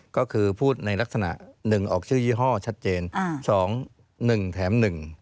ก็คือพูดในลักษณะ๑ออกชื่อยี่ห้อชัดเจน๒๑แถม๑